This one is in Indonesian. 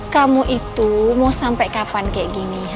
kamu itu mau sampai kapan kayak gini